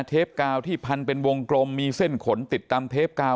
เทปกาวที่พันเป็นวงกลมมีเส้นขนติดตามเทปกาว